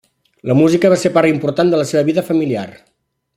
La música va ser part important de la seva vida familiar.